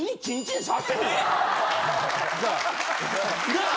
なあ？